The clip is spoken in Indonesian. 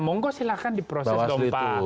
mohon kau silakan di proses dompa